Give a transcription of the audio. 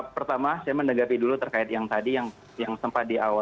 oke pertama saya menegapi dulu terkait yang tadi yang sempat di awal saya tanyakan adalah